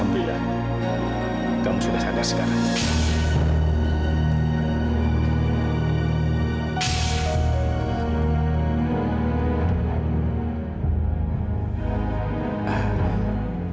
amri ya kamu sudah sadar sekarang